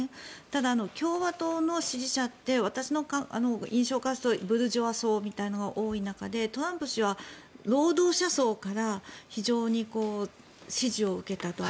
ただ、共和党の支持者って私の印象からするとブルジョア層みたいなのが多い中でトランプ氏は労働者層から非常に支持を受けたと。